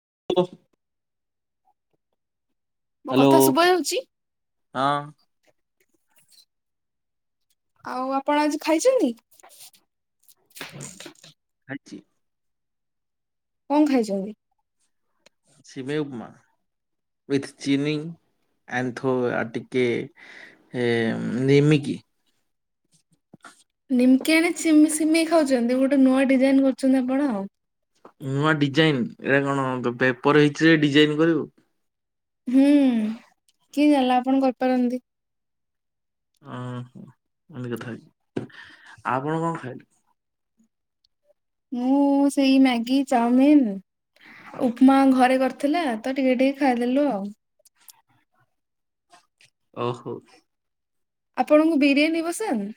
[unintelligible] ମୋ କଥା ଶୁଭ ଯାଉଚି? [inaudible] ଆଉ ଆପଣ ଆଜି ଖାଇଚନ୍ତି? ଛି। କଣ ଖାଇଛନ୍ତିି? ସିବେଇ ଉପମା ଉଇଥ ଚିିନି। ଆନ୍ଥ ଆ ଟିିକେ ନିମିକି। [inaudible] ନିମକି ଆଣିିମି ସିମି ଖାଉଛନ୍ତି ଗୋଟେ ନୂଆ ଡିଜାଇନ କରୁଛନ୍ତି ଆପଣ ଆଉ। ନୂଆ ଡିଜାଇନ ଏଇଟା କଣ ପେପର ହେଇଚି ଯେ ଡିଜାଇନ କରିବୁ। ହୁଁ କିଏ ଜାଣିଲା ଆପଣ କରିପାରନ୍ତି। ଓହୋ ଏତି କଥା କି ଆପଣ କଣ ଖାଇଲେ? ମୁଁ ସେଇ ମ୍ୟାଗି ଚାଉମିନ ଉପମା ଘରେ କରିଥିଲା ତ ଟିକେ ଟିକ ଖାଇଦେଲୁ ଆଉ। ଓହୋ। ଆପଣଙ୍କୁ ବିରିୟାନୀ ପସନ୍ଦ?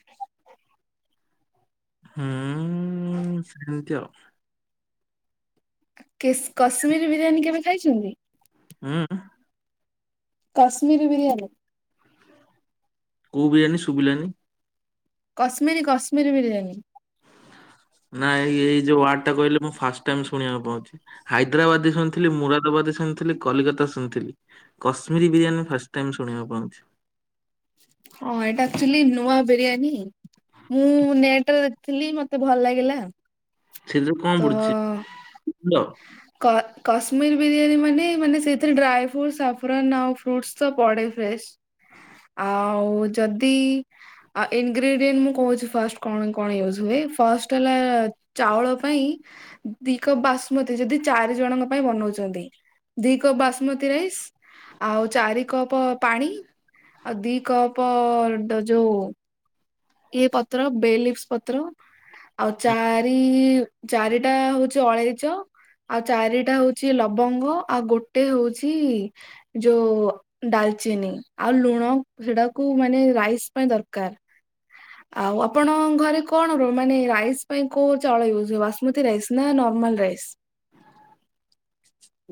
ହୁଁ ସେମିତି ଆଉ। କେସ କଶ୍ମୀର ବିରିୟାନୀ କେବେ ଖାଇଚନ୍ତି? ହଁ। କଶ୍ମୀରି ବିରିୟାନୀ। କୋଉ ବିରିୟାନୀ ଶୁଭିଲାନି? କଶ୍ମୀରୀ କଶ୍ମୀରୀ ବିରିୟାନୀ? ନାଇଁ ଏଇ ଯୋଉ ୱାର୍ଡଟା କହିଲେ ମୁଁ ଫାଷ୍ଟ ଟାଇମ୍ ଶୁଣିବାକୁ ପାଉଚି ହାଇଦ୍ରାବାଦି ଶୁଣିଥିଲି ମୁୁରାଦାବାଦି ଶୁ କଲିକତା ଶୁଣିଥିଲି କଶ୍ମୀରୀ ବିରିୟାନୀ ମୁଁ ଫାଷ୍ଟ ଟାଇମ୍ ଶୁଣିବାକୁ ପାଉ ହଁ ଏଇଟା ଆକ୍ଚୁଆଲି ନୂଆ ବିରିୟାନୀ। ମୁଁ ନେଟରେ ଦେଖିଥିଲି ମତେ ଭଲ ଲାଗିଲା। ସେଥିରେ କଣ ତ ପଡୁଛି କ କଶ୍ମୀରୀ ବିରିୟାନୀ ମାନେ ମାନେ ସେଇଥିରେ ଡ୍ରାଏଫ୍ରୁଟ୍ସ ସଫ୍ରନ୍ ଆଉ ଫ୍ରୁଟ୍ସ ତ ପଡ଼େ ଫ୍ରେଶ୍। ଆଉ ଯଦି ଇନଗ୍ରିଡିଏଣ୍ଟ ମୁଁ କହୁଚି ଫାଷ୍ଟ କଣ କଣ ୟୁଜ୍ ହୁଏ? ଫଷ୍ଟ ହେଲା ଚାଉଳ ପାଇଁ ଦି କପ୍ ବାସୁମତୀ ଯଦି ଚାରି ଜଣଙ୍କ ପାଇଁ ବନଉଚନ୍ତି। ଦି କପ୍ ବାସୁମତୀ ରାଇସ ଆଉ ଚାରି କପ ପାଣି। ଆଉ ଦି କପ ଡ ଯୋଉ ଇଏ ପତ୍ର ବେ ଲିଭ୍ସ ପତ୍ର ଆଉ ଚାରି ଚାରିଟା ହୋଉଚି ଅଳେଇଚ। ଆଉ ଚାରିଟା ହୋଉଚି ଲବଙ୍ଗ ଆଉ ଗୋଟେ ହୋଉଚି ଯୋଉ ଡାଲ ଚିନି ଆଉ ଲୁଣ ସେଟାକୁ ମାନେ ରାଇସ ପାଇଁ ଦରକାର। ଆଉ ଆପଣଙ୍କ ଘରେ କଣ ର ମାନେ ରାଇସ୍ ପାଇଁ କୋଉ ଚାଉଳ ୟୁଜ୍ ହୁଏ ବାସୁମତୀ ରାଇସ୍ ନା ନର୍ମାଲ ରାଇସ୍? [inaudible]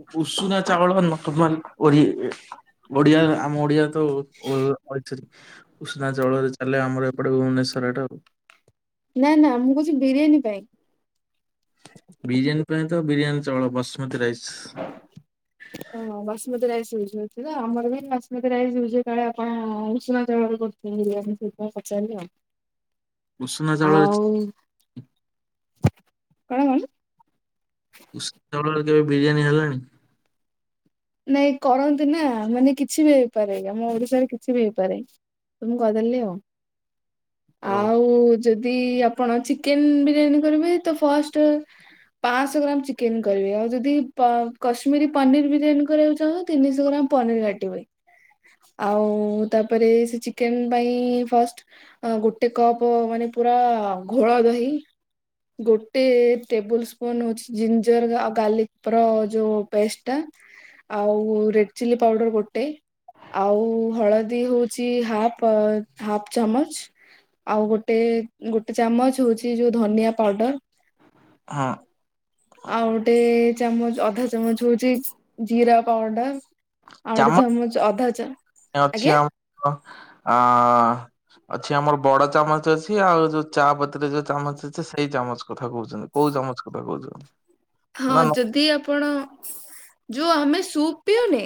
ଉ-ଉଷୁନା ଚାଉଳ ନର୍ମାଲ ଓରି ଇ ଓଡିଆ ଆମ ଓଡିଆ। ତ ଉ [unintelligible] ଉଷୁନା ଚାଉଳରେ ଚାଲେ ଆମର ଏପଟେ ଭୁବନେଶ୍ଵର ଆଡେ ଆଉ। ନା ନା ମୁଁ କହୁଛି ବିରିୟାନୀ ପାଇଁ। ବିରିୟାନୀ ପାଇଁ ତ ବିରିୟାନୀ ଚାଉଳ ବାସୁମତୀ ରାଇସ। ଓହୋ ବାସୁମତୀ ରାଇସ ୟୁଜ ହଉଚି ତ ଆମର ବି ବାସୁମତୀ ରାଇସ ୟୁଜ୍ ହୁଏ କାଳେ ଆପଣ ଉଷୁନା ଚାଉଳରେ କରୁଥିବେ ବିରିୟାନୀ ସେଇଥିପାଇଁ ପଚା ରିଲି ଆଉ। ଉଷୁନା ଚାଉଳରେ ଆଉ କଣ କଣ? ଉଷୁନା ଚାଉଳରେ କେବେ ବିରିୟାନୀ ହେଲାଣି? ନାଇଁ କରନ୍ତି ନା ମାନେ କିଛି ବି ହେଇପାରେ ଇଏ ଆମ ଓଡିଶାରେ କିଛି ବି ହେଇପାରେ। ତ ମୁଁ କହିଦେଲି ଆଉ ଆଉ ଯଦି ଆପଣ ଚିକେନ ବିରିୟାନୀ କରିବେ ତ ଫାର୍ଷ୍ଟ। ପାଂଶହ ଗ୍ରାମ ଚିକେନ କରିବେ ଆଉ ଯଦି ପା କଶ୍ମୀରୀ ପନିର ବିରିୟାନୀ କରିବାକୁ ଚାହିଁବ ତିନିଶହ ଗ୍ରାମ ପନିର କାଟିବେ। ଆଉ ତାପରେ ସେ ଚିକେନ ପାଇଁ ଫାର୍ଷ୍ଟ ଅଁ ଗୋଟେ କପ୍ ମାନେ ପୁରା ଘୋଳ ଦହି। ଗୋଟେ ଟେବୁଲ ସ୍ପୁନ ହଉଚି ଜିଞ୍ଜର ଆଉ ଗାର୍ଲିକର ଯୋଉ ପେଷ୍ଟଟା। ଆଉ ରେଡ ଚିଲି ପାଉଡର ଗୋଟେ। ଆଉ ହଳଦୀ ହଉଚି ହାଫ ହାଫ ଚାମଚ। ଆଉ ଗୋଟେ ଗୋଟେ ଚାମଚ ହଉଚି ଯୋଉ ଧନିଆ ପାଉଡର। ହଁ ଆଉ ଗୋଟେ ଚାମଚ ଅଧା ଚାମଚ ହଉଚି ଜୀରା ପାଉଡର। ଆଉ ଗୋଟେ ଚାମ ଚାମଚ ଅଧା ଚା ଅଛି ଆଜ୍ଞା ଆମର ଆଁ। ଅଛି ଆମର ବଡ ଚାମଚ ଅଛି ଆଉ ଯୋଉ ଚାପତିରେ ଯୋଉ ଚାମଚ ଅଛି ସେଇ ଚାମଚ କଥା କହୁଛନ୍ତି କୋଉ ଚାମ ମଚ କଥା କହୁଛ? ହଁ ନା ନା ଯଦି ଆପଣ ଯୋଉ ଆମେ ସୁପ୍ ପିଉନେ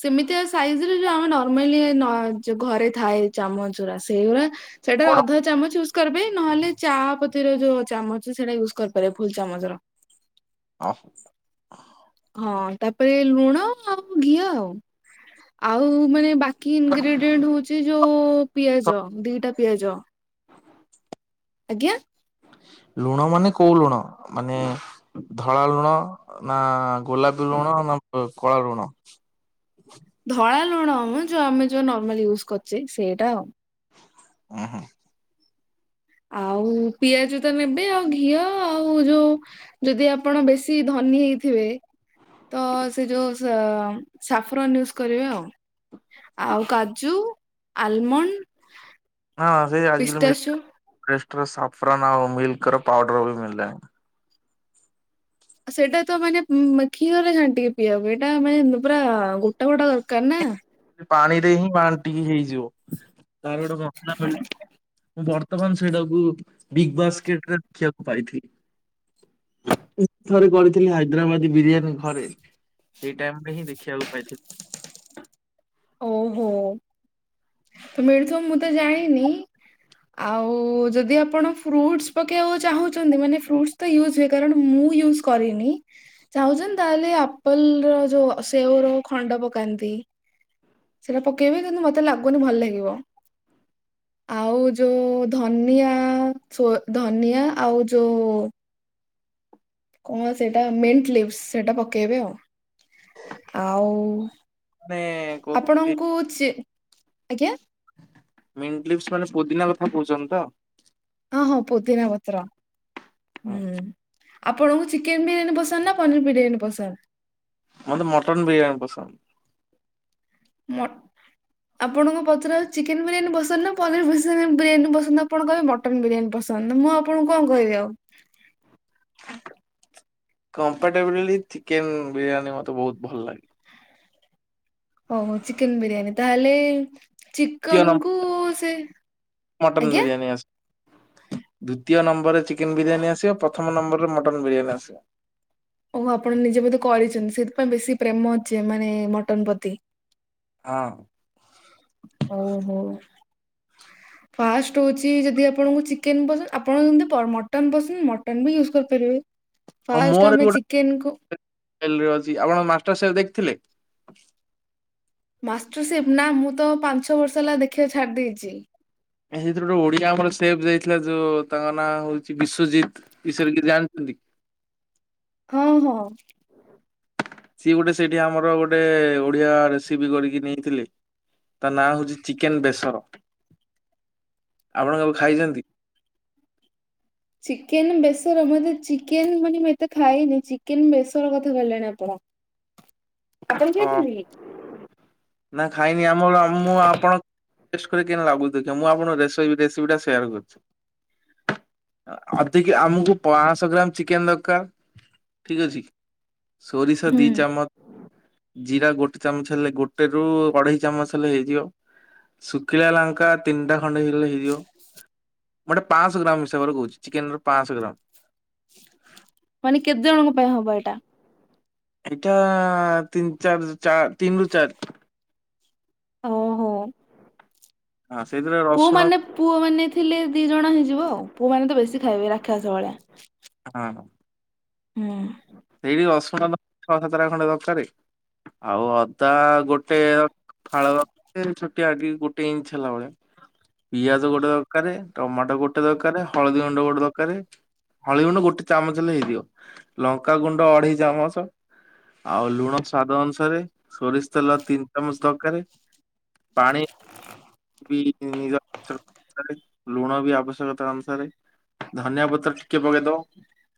ସେମିତିଆ ସାଇଜରେ ଯୋଉ ଆମେ ନର୍ମାଲି ନ ଯ ଘରେ ଥାଏ ଚାମଚ। ଗୁରା ସେଇଗୁରା ସେଟା ବଡ ଅଧା ଚାମଚ ୟୁ କରିବେ ନହେଲେ ଚା ପତିର ଯୋଉ ଚାମଚ ସେଟା ୟୁଜ କରିପାରିବେ ଫୁଲ ଚାମଚର। ଓ ହୋ। ହଁ ତାପରେ ଲୁଣ ଆଉ ଘିଅ ଆଉ ଆଉ ମାନେ ବାକ କି ଇନଗ୍ରିଡିଏଣ୍ଟ ହଉଛି ଯୋଉ ପିଆଜ ଦିଟା ପିଆଜ। ଆଜ୍ଞା। ଲୁଣ ମାନେ କୋଉ ଲୁଣ ମାନେ ଧଳା ଲୁଣ ନା ଗୋଲାପୀ ଲୁଣ? ନା ପ କଳା ଲୁଣ। ଧଳା ଲୁଣ ମ ଯୋଉ ଆମେ ଯୋଉ ନର୍ମାଲ ୟୁଜ କରୁଛେ ସେଇଟା ଆଉ। ଉଁ ହୁଁ। ଆଉ ପିଆଜ ତ ନେବେ ଆଉ ଘିଅ ଆଉ ଯୋଉ ଯଦି ଆପଣ ବେଶୀ ଧ ନୀ ହେଇଥିବେ ତ ସେ ଯୋଉ ସ ମ ସାଫରୋନ ୟୁଜ କରିବେ ଆଉ। ଆଉ କାଜୁ ଆଲମଣ୍ଡ। ହଁ ସେ ଆଜି କାଲି ପିସ୍ତାସୁ ମିଲ୍କ ର ପେଷ୍ଟର ସାଫରନ ଆଉ ମିଲ୍କର ପାଉଡର ବି ମିଳିଲାଣି। ସେଇଟା ତ ମାନେ ଉଁ ମା କ୍ଷୀରରେ ଘାଣ୍ଟିକି ପିଇବା ପାଇଁ ଏଟା ମାନେ ପୁରା ଗୋଟା ଗୋଟା ଦରକାର ନା। ପାଣିରେ ହିଁ ବାଣ୍ଟିକି ହେଇଯିବ ତାର ଗୋଟେ ମସଲା ମିଳେ ମୁଁ ବର୍ତ୍ତମାନ ସେଇଟାକୁ ବିଗ ବାସ୍କେଟ ରେ ଦେଖିବାକୁ ପାଇଥିଲି। ଉଁ ଥରେ କରିଥିଲି ହାଇଦ୍ରାବାଦି ବିରିୟାନୀ ଘରେ। ସେଇ ଟାଇମ ରେ ହିଁ ଦେଖିବାକୁ ପାଇଥିଲ। ଓହୋ! ତ ମିଳୁଥୁଅ ମୁଁ ତ ଜାଣିନି। ଆଉ ଯଦି ଆପଣ ଫ୍ରୁଟସ୍ ପକେଇଆକୁ ଚାହୁଁଛନ୍ତି। ମାନେ ଫ୍ରୁଟ୍ସ ତ ୟୁଜ ହୁଏ। କାରଣ ମୁଁ ମୁଁ ୟୁଜ କରିନି ଚାହୁଁଚନ୍ତି, ତାହେଲେ ଆପେଲର ଯୋଉ ସେଓର ଖଣ୍ଡ ପକାନ୍ତି। ନ୍ତି। ସେଟା ପକେଇବେ କିନ୍ତୁ, ମତେ ଲାଗୁନି ଭଲ ଲାଗିବ। ଆଉ ଯୋଉ ଧନିଆ ସୋ ଧନିଆ ଆଉ ଯୋଉ କଣ ସେଟା ମିଣ୍ଟ ଲିଭ୍ସ! ସେଇଟା ପକେଇବେ ଆଉ। ଆଉ ମାନେ ଆପଣଙ୍କୁ ଚି ଆଜ୍ଞା। ମିନ୍ଟ ଲିଭ୍ ସ ମାନେ ପୋଦିନା କଥା କହୁଚନ୍ତି ତ! ହଁ, ହୋ ପୋଦିନା ପତ୍ର ହୁଁ। ଆପଣଙ୍କୁ, ଚିକେନ ବିରିୟାନୀ ପସନ୍ଦ ନା ପନିର ବିରିୟାନୀ ପସନ୍ଦ? ମତେ ମଟନ୍ ବିରିୟାନୀ ପସନ୍ଦ। ମୋଟ୍। ଆପଣଙ୍କୁ ପଚରା ହଉଛି, ଚିକେନ ବିରିୟାନୀ ପସନ୍ଦ ନା ପନିର ପସନ୍ଦ ବିରିୟାନୀ ପସନ୍ଦ? ଆପଣ କହିବେ ମଟନ ବିରିୟାନୀ ପସନ୍ଦ। ଶୁଣନ୍ତୁ, ମୁଁ, ଆପଣଙ୍କୁ କଣ କହିବି ଆଉ? କମ୍ପେଟାବ୍ଲି, ଚିକେନ ବିରିୟାନୀ ମତେ ବହୁତ ଭଲ ଲାଗେ। ଓହ! ଚିକେନ ବିରିୟାନୀ ତା ହେଲେ-ଏ ଦ୍ୱିତୀୟ ଚିକନ ନମ୍ବର କୁ-ଉ ସେ ଆଜ୍ଞା! ଦ୍ୱିତୀୟ ନମ୍ବରରେ ଚିକେନ ବିରିୟାନୀ ଆସିବ ଓ ପ୍ରଥମ ନମ୍ବରରେ ମଟନ ବିରିୟାନୀ ଆସିବ। ଓହ! ଆପଣ ନିଜେ ବୋଧେ କରିଛନ୍ତି, ସେଥିପାଇଁ ବେଶୀ ପ୍ରେମ ଅଛି। ମାନେ-ଏ ମଟନ ପତି। ହଁ। ଓହୋ! ଫାଷ୍ଟ ହଉଛି, ଯଦି ଆପଣଙ୍କୁ ଚିକେନ୍ ପସନ୍ଦ! ଆପଣ ଯେନ୍ ମଟନ୍ ପସନ୍ଦ, ମଟନ ବି ୟୁଜ କରିପାରିବେ। ଆଉ ଫାଷ୍ଟ ମୋର ଆମେ ବି ଚିକେନ କୁ ଗୋଟେ [inaudible] ଆପଣ ମାଷ୍ଟର ସେଫ୍ ଦେଖ୍ ଥିଲେ। ମାଷ୍ଟରସେଫ୍! ନା ମୁଁ ତ ପାଂଞ୍ଚ ଛ ବର୍ଷ ହେଲା ଦେଖିବା ଛାଡି ଦେଇଛି। ହେଥିରେ ଗୋଟେ ଓଡିଆ ଆମର ସେଫ୍ ଯାଇଥିଲା। ଯୋଉ ତାଙ୍କ ନାଁ ହଉଛି, ବିଶ୍ଵଜିତ ବିଷୟରେ କିଛି ଜାଣିଛନ୍ତି କି? ହଁ, ହଁ। ସିଏ ଗୋଟେ ସେଇଠି, ଆମର ଗୋଟେ ଓଡିଆ ରେସିପି କରିକି ନେଇଥିଲେ। ତା ନାଁ ହଉଛି, ଚିକେନ ବେସର। ଆପଣ କେବେ ଖାଇଛନ୍ତି? ଚିକେନ ବେସର! ମତେ ଚିକେନ ମାନେ ମୁଁ ଏତେ ଖାଇନି। ଚିକେନ ବେସର କଥା କହିଲେଣି ଆପଣ। ଆପଣ ହଁ, ଖାଇଛନ୍ତି କି? ନା ଖାଇନି ଆମର। ମୁଁ ଆପଣ ଗେସ୍ କରି କିନ୍ ଲାଗୁଛି ଦେଖିଆ। ମୁଁ ଆପଣ ରେସିପି ରେସିପିଟା ସେୟାର କରୁଛି। ଅଧିକ ଆମକୁ ପାଁ ଶହ ଗ୍ରାମ୍ ଚିକେନ୍ ଦରକାର! ଠିକ୍ ଅଛି। ସୋରିଷ ହୁଁ ଦି ଚାମଚ, ଜିରା ଗୋଟେ ଚାମଚ, ହେଲେ ଗୋଟେ ରୁ ଅଢେଇ ଚାମଚ ହେଲେ ହେଇଯିବ। ଶୁଖିଲା ଲାଙ୍କା ତିନିଟା ଖଣ୍ଡେ ହେଇଗଲେ ହେଇଯିବ। ମୁଁ ଗୋଟେ, ପାଁ ଶହ ଗ୍ରାମ୍ ହିସାବରେ କହୁଛି, ଚିକେନ ର ପାଁଶହ ଗ୍ରାମ୍। ମାନେ କେତେ ଜଣଙ୍କ ପାଇଁ ହବ ଏଇଟା? ଏଇଟା-ଆ ତିନି ଚାର୍ଜ ଚା ତିନ ରୁ ଚାର୍। ଓହୋ! ହଁ ସେଇଥିରେ ରସୁଣ ପୁଅମାନେ ପୁଅ ମାନେ ଥିଲେ ଦି ଜଣ ହେଇଯିବ ଆଉ। ପୁଅମାନେ ତ ବେଶୀ ଖାଇବେ ରାକ୍ଷସ ଭଳିଆ। ଅ ହ। ହୁଁ। ସେଇଠି ରସୁଣତ ଛଅ ସାତଟା ଖଣ୍ଡେ ଦରକାରେ, ଆଉ ଅଦା ଗୋଟେ ଫାଳ ବା [inaudible] ଛୋଟିଆ ଗୋଟେ ଇଞ୍ଚ ହେଲା ଭଳିଆ। ପିଆଜ ଗୋଟେ ଦରକାରେ ଟମାଟୋ ଗୋଟେ ଦରକାରେ ହଳଦୀ ଗୁଣ୍ଡ ଗୋଟେ ଦରକାରେ। ହଳଦୀ ଗୁଣ୍ଡ ଗୋଟେ ଚାମଚ ହେଲେ ହେଇଯିବ। ଲଙ୍କାଗୁଣ୍ଡ ଅଢେଇ ଚାମଚ ଆଉ ଲୁଣ ସ୍ୱାଦ ଅନୁସାରେ ସୋରିଷ ତେଲ ତିନି ଚାମଚ ଦରକାର୍। ପାଣି ଲୁଣ ବି ଆବଶ୍ୟକତା ଅନୁସାରେ। ଧନିଆ ପତ୍ର ଟିକେ ପକେଇଦବ।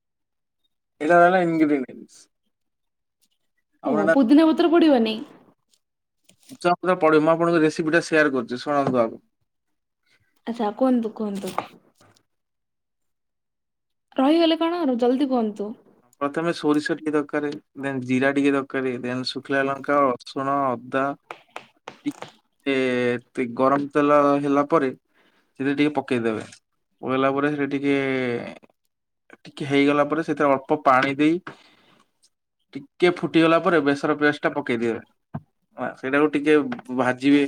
[inaudible] [unintelligible] ଆପଣ ଓ ଏଟା ପୋଦିନା ପତ୍ର ପଡ଼ିବନି। ଚା ପଢ଼େ ମୁଁ ଆପଣଙ୍କ ରେସିପି ଟା ସେୟାର କରୁଚି ଶୁଣନ୍ତୁ ଆଗ। ଆଛା କୁହନ୍ତୁ କୁହନ୍ତୁ। ରହିଗଲେ କଣ ଜଲଦି କୁହନ୍ତୁ। ପ୍ରଥମେ ସୋରିଷ ଟିକେ ଦରକାର ଦେନ୍ ଜିରା ଟିକେ ଦରକାର ଦେନ୍ ଶୁଖିଲା ଲଙ୍କା ରସୁଣ ଅ ଦା ଟିକେ ଗରମ ତେଲ ହେଲା ପରେ ସେଥିରେ ଟିକେ ପକେଇଦେବେ ପକେଇଲା ପରେ ସେଟା ଟିକେ ଟିକେ ହେଇଗଲା ପରେ ସେଥିରେ ଅଳ୍ପ ପାଣି ଦେଇ ଟିକେ ଫୁଟିଗଲା ପରେ ବେସର ପିଆଜ ଟା ପକେଇଦିବେ ସେଇଟାକୁ ଟିକେ ଭାଜି ଭାଜିବେ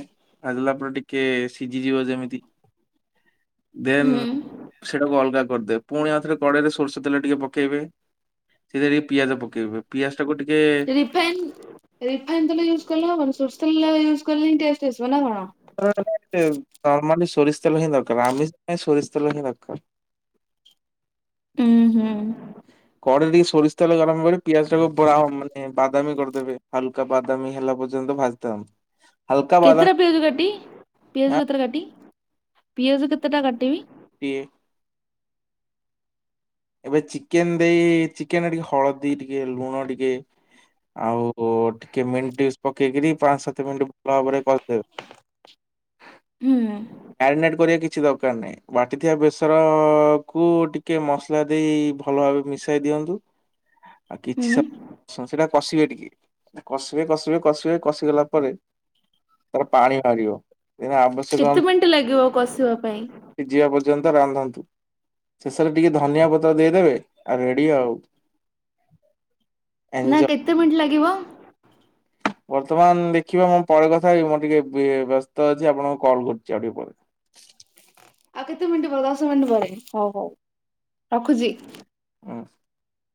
ଭାଜିଲା ପରେ ଟିକେ ସିଝିଯିବ ଯେମିତି [inaudible] ଦେନ୍ ହୁଁ ସେଟାକୁ ଅଲଗା କରିଦେବେ ପୁଣି ଆଉଥରେ କଡ଼େଇ ରେ ସୋରିଷ ତେଲ ଟିକେ ପକେଇବେ। ସେଥିରେ ଟିକେ ପିଆଜ ପକେଇବେ ପିଆଜ ଟାକୁ ଟିକେ ରିଫାଇନ୍ ରିଫାଇନ୍ ତେଲ ୟୁଜ୍ କଲେ ହବନି ସୋରିଷ ତେଲରେ ୟୁଜ୍ କଲେ ହିଁ ଟେଷ୍ଟ ଆସିବ ନା କଣ? ନର୍ମାଲି ସରୀଷ ତେଲ ହିଁ ଦରକାର ଆମିଷ ପାଇଁ ସୋରିଷ ତେଲ ହିଁ ଦରକାର। ହୁଁ ହୁଁ। କଡ଼େଇ ରେ ଟିକେ ସୋରିଷ ତେଲେ ଗରମ କରି ପିଆଜ ଟାକୁ ବ୍ରାଉ ବାଦାମୀ କରିଦେବେ ହାଲକା ବାଦାମୀ ହେଲା ପର୍ଯ୍ୟ ଭାଜିଦବା ହଲକା କେତେଟା ବାଦାମି ପିଆଜ କାଟି, ପିଆଜ କେତେଟା କାଟି, ପିଆଜ କେତେଟା କାଟିମି। ଇଏ ଏବେ ଚିକେନ ଦେଇ ଚିକେନ ରେ ଟିକେ ହଳଦୀ ଟିକେ ଲୁଣ ଟିକେ ଆଉ ଟିକେ ମିନ୍ଟେସ୍ ପକେଇକରି ପାଞ୍ଚ ସାତ ମିନିଟ୍ ଭଲ ଭାବରେ କରିଦେବେ। ହୁଁ। ମ୍ୟାରିନେଟ କରିବା କିଛି ଦରକାର ନାହିଁ ବାଟିଥିବା ବେସର କୁ ଟିକେ ମସ୍ତ ମସଲା ଦେଇ ଭଲ ଭାବେ ମିଶାଇ ଦିଅନ୍ତୁ ଆଉ କିଛି ହୁଁ ସମ ସେଟା କଷିବେ ଟିକେ, କଷିବେ, କଷିବେ, କଷିବେ, କଷିଗଲା ପରେ ତାର ପାଣି ବାହାରିବ ସେ ଆବଶ୍ୟକ କେତେ ମିନିଟ୍ ଲାଗିବ କଷିବା ପାଇଁ ସିଜିବା ପ ପର୍ଯ୍ୟନ୍ତ ରାନ୍ଧନ୍ତୁ ଶେଷରେ ଟିକେ ଧ ଧନିଆ ପତ୍ର ଦେଇଦେବେ ଆଉ ରେଡ଼ି ଆଉ। ନା ଏଞ୍ଜୟ କେତେ ମିନିଟ୍ ଲାଗିବ। ବର୍ତ୍ତମାନ ଦେଖିବା ମୁଁ ପରେ କଥା ହେବି ମୁଁ ଟିକେ ବ୍ୟସ୍ତ ଅଛି ଆପଣଙ୍କୁ କଲ କରୁଚି ଆଉ ଟିକେ ପରେ। [inaudible] ଆଉ କେତେ ମିନିଟ୍ ପରେ ଦଶ ମିନିଟ ପରେ ହୋଉ ହଉ ରଖୁଛି। [unintelligible]